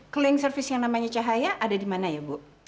clean service yang namanya cahaya ada di mana ya bu